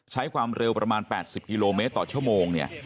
ใช้ความเร็วประมาณ๘๐กิโลเมตรต่อชั่วโมงเนี่ย